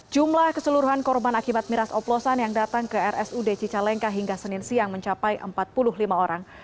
jumlah keseluruhan korban akibat miras oplosan yang datang ke rsud cicalengka hingga senin siang mencapai empat puluh lima orang